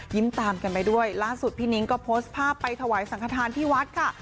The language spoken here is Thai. ตามกันไปด้วยล่าสุดพี่นิ้งก็โพสต์ภาพไปถวายสังขทานที่วัดค่ะ